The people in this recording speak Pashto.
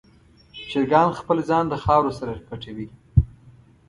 چرګان خپل ځان د خاورو سره پټوي.